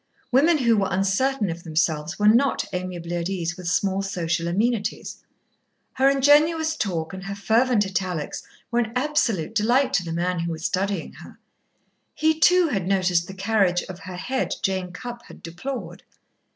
Women who were uncertain of themselves were not amiably at ease with small social amenities. Her ingenuous talk and her fervent italics were an absolute delight to the man who was studying her. He, too, had noticed the carriage of her head Jane Cupp had deplored.